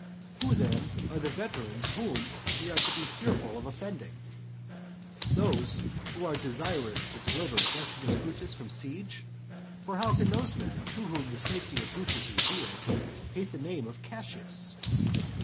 XV. Who then are the veterans whom we are to be fearful of offending? Those who are desirous to deliver Decimus Brutus from siege? for how can those men, to whom the safety of Brutus is dear, hate the name of Cassius?